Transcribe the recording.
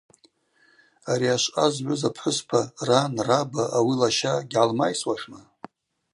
Ари ашвъа згӏвыз апхӏвыспа ран, раба, ауи лаща гьгӏалмайсуашма?